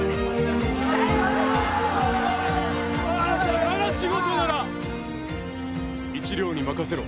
力仕事なら一寮に任せろ。